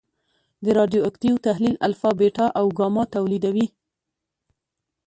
د رادیواکتیو تحلیل الفا، بیټا او ګاما تولیدوي.